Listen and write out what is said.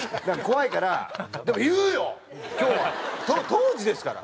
当時ですから。